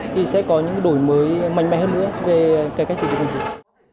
thì sẽ có những đổi mới mạnh mẽ hơn nữa về cải cách thủ tục hành chính